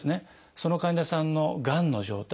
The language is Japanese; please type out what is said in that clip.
その患者さんのがんの状態